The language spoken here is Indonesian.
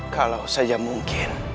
kalau saja mungkin